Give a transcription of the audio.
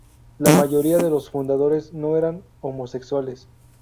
La mayoría de los fundadores no eran homosexuales.